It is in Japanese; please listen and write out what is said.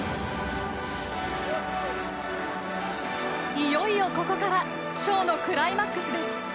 いよいよ、ここからショーのクライマックスです。